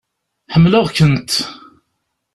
Ḥemmleɣ-kent.